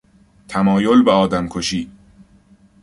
تمایل به آدمکشی